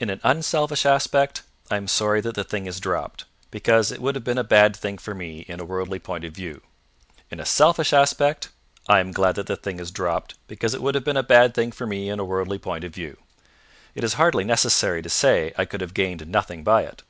In an unselfish aspect, I am sorry that the thing is dropped, because it would have been a bad thing for me in a worldly point of view; in a selfish aspect, I am glad that the thing has dropped, because it would have been a bad thing for me in a worldly point of view it is hardly necessary to say I could have gained nothing by it.